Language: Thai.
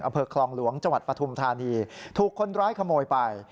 อเผิกคลองหลวงจปฐุมธานีถูกคนร้ายขโมยไป